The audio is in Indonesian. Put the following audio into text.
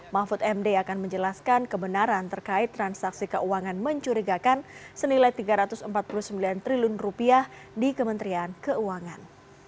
mahfud md akan menjelaskan kebenaran terkait transaksi keuangan mencurigakan senilai rp tiga ratus empat puluh sembilan triliun di kementerian keuangan